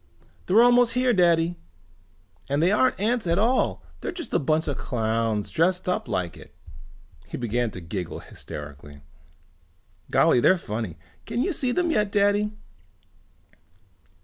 "They're almost here, Daddy! And they aren't ants at all. They're just a bunch of clowns dressed up like it." He began to giggle hysterically. "Golly, they're funny. Can you see them yet, Daddy?"